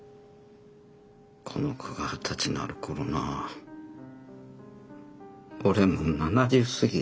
この子が二十歳になる頃な俺もう７０過ぎや。